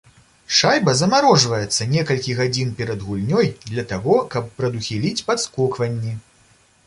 Шайба замарожваецца некалькі гадзін перад гульнёй для таго, каб прадухіліць падскокванні.